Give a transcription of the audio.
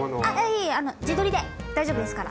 いいえあの自撮りで大丈夫ですから。